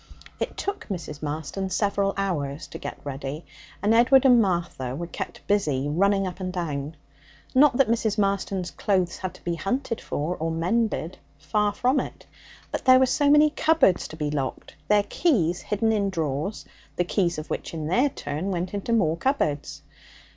It took Mrs. Marston several hours to get ready, and Edward and Martha were kept busy running up and down. Not that Mrs. Marston's clothes had to be hunted for or mended far from it. But there were so many cupboards to be locked, their keys hidden in drawers, the keys of which, in their turn, went into more cupboards.